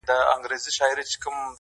او ارواښاد سلیمان لایق یې -